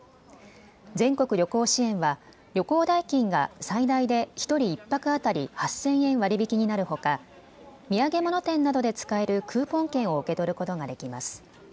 全国旅行支援は旅行代金が最大で１人１泊当たり８０００円割り引きになるほか土産物店などで使えるクーポン券を受け取ることができます。